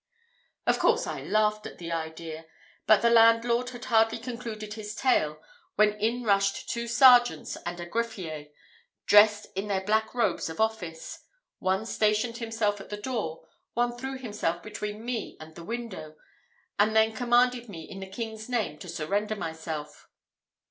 Of course, I laughed at the idea; but the landlord had hardly concluded his tale, when in rushed two sergeants and a greffier, dressed in their black robes of office. One stationed himself at the door, one threw himself between me and the window, and then commanded me in the king's name to surrender myself.